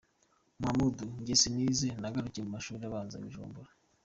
Muhamud: Njye sinize nagarukiye mu mashuri abanza i Bujumbura.